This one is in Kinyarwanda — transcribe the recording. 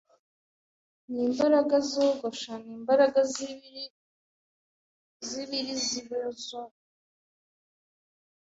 Nimbaraga zogosha nimbaraga zibiri zbzho